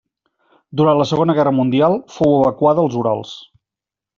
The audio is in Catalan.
Durant la Segona Guerra Mundial fou evacuada als Urals.